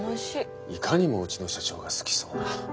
いかにもうちの社長が好きそうな。